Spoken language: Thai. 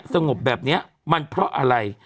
สงบแบบนี้มันเพราะอะไร